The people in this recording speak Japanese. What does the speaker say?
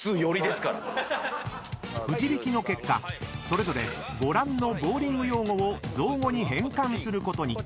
［くじ引きの結果それぞれご覧のボウリング用語を造語に変換することに］